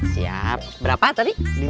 siap berapa tadi